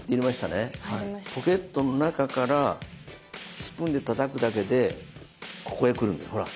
ポケットの中からスプーンでたたくだけでここへ来るんですほら！